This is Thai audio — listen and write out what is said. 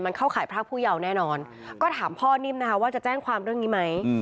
เข้าข่ายพรากผู้เยาว์แน่นอนก็ถามพ่อนิ่มนะคะว่าจะแจ้งความเรื่องนี้ไหม